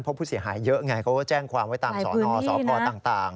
เพราะผู้เสียหายเยอะไงเขาก็แจ้งความไว้ตามสอนอสพต่าง